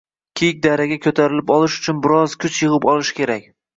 Kiyik daraga ko‘tarilib olish uchun biroz kuch yig‘ib olish kerak